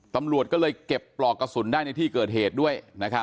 ตำรวจก็เลยเก็บปลอกกระสุนได้ในที่เกิดเหตุด้วย